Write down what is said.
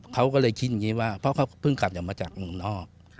เขาก็เลยคิดอย่างนี้ว่าเพราะเขาเพิ่งกลับอย่างมาจากเมืองนอก